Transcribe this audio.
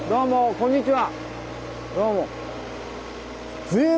こんにちは。